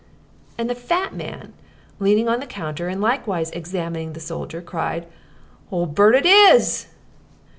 And the fat man, leaning on his counter, and likewise examining the soldier, cried, "Ol' Bert it is!"